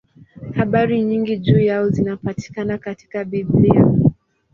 Habari nyingi juu yao zinapatikana katika Biblia.